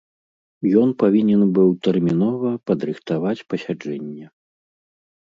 Ён павінен быў тэрмінова падрыхтаваць пасяджэнне.